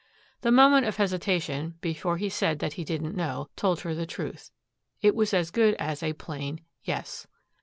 The moment of hesitation, before he said that he didn't know, told her the truth. It was as good as a plain, "Yes."